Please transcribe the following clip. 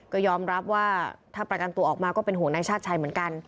ก็ยอมรับว่าถ้าประกันตัวออกมาก็เป็นห่วงนายชาติชัยเหมือนกัน